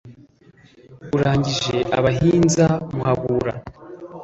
urangije abahinza muhabura,